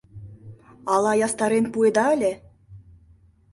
— Ала ястарен пуэда ыле?